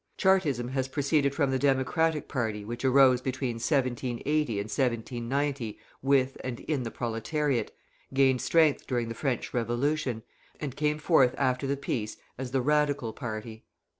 Chartism has proceeded from the Democratic party which arose between 1780 and 1790 with and in the proletariat, gained strength during the French Revolution, and came forth after the peace as the Radical party.